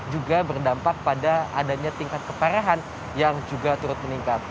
juga berdampak pada adanya tingkat keparahan yang juga turut meningkat